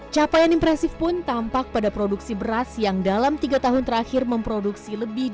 capaian impresif pun tampak pada produksi beras yang dalam tiga tahun terakhir memproduksi